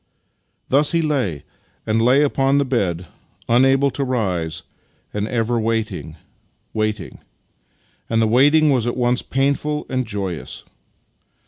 Thus he lay and lay upon the bed, unable to rise, and ever waiting — waiting: and the waiting was at once painful and joyous.